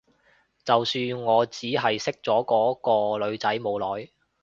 就算我只係識咗嗰個女仔冇耐